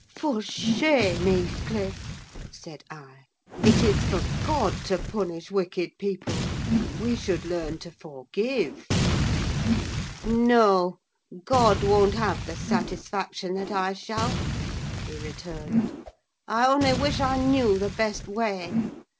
"For shame, Heathcliff!" said I. "It is for God to punish wicked people; we should learn to forgive." "No, God won't have the satisfaction that I shall," he returned. "I only wish I knew the best way!